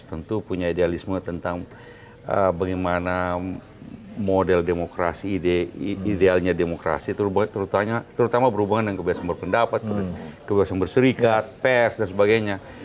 tentu punya idealisme tentang bagaimana model demokrasi idealnya demokrasi terutama berhubungan dengan kebebasan berpendapat kebebasan berserikat pers dan sebagainya